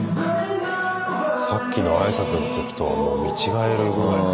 さっきの挨拶の時とはもう見違えるぐらいの。